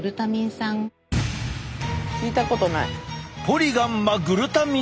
聞いたことない。